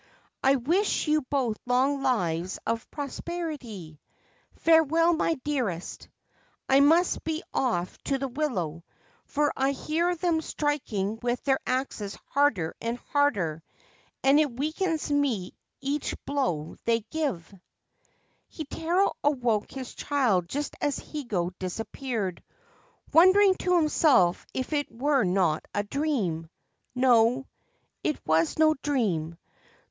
I wish you both long lives of prosperity. Farewell, my dearest ! I must be off to the willow, for I hear them striking with their axes harder and harder, and it weakens me each blow they give/ Heitaro awoke his child just as Higo disappeared, wondering to himself if it were not a dream. No : it was no dream.